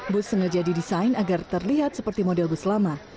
bus sengaja didesain agar terlihat seperti model bus lama